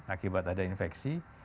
akibat ada infeksi